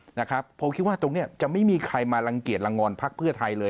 นะครับผมคิดว่าตรงเนี้ยจะไม่มีใครมารังเกียจลังงอนพักเพื่อไทยเลย